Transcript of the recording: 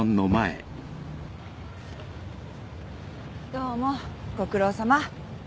どうもご苦労さま。